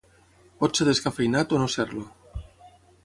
Pot ser descafeïnat o no ser-lo.